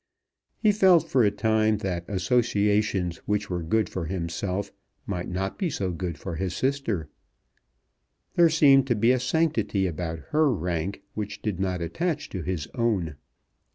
He felt for a time that associations which were good for himself might not be so good for his sister. There seemed to be a sanctity about her rank which did not attach to his own.